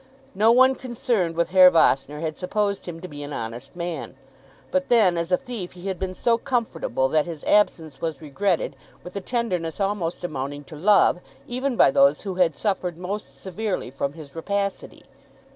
No one concerned with Herr Vossner had supposed him to be an honest man. But then as a thief he had been so comfortable that his absence was regretted with a tenderness almost amounting to love even by those who had suffered most severely from his rapacity.